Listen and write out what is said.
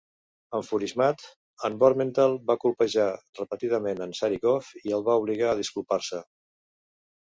Enfurismat, en Bormenthal va colpejar repetidament en Sharikov i el va obligar a disculpar-se.